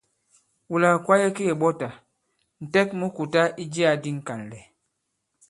Wula kwaye ki kèɓɔtà, ǹtɛk mu kùta i jiyā di ŋ̀kànlɛ̀.